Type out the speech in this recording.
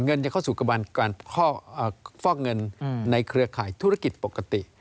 จะเข้าสู่กระบวนการฟอกเงินในเครือข่ายธุรกิจปกติ